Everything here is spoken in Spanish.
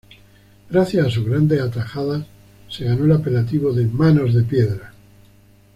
Gracias a sus grandes atajadas, se ganó el apelativo de "Manos de piedra".